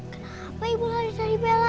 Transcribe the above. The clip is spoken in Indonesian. kenapa ibu lari dari bella